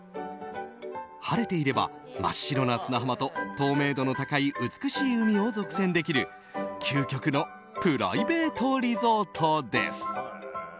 晴れていれば、真っ白な砂浜と透明度の高い美しい海を独占できる究極のプライベートリゾートです。